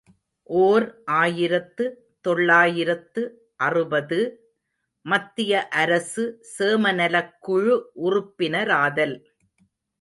ஓர் ஆயிரத்து தொள்ளாயிரத்து அறுபது ● மத்திய அரசு சேமநலக் குழு உறுப்பினராதல்.